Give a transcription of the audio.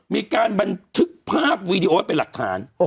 มีการบันทึกภาพวีดีโอไว้เป็นหลักฐาน